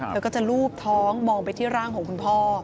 เธอก็จะลูบท้องมองไปที่ร่างของคุณพ่อ